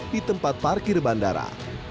di tempat parkir bandara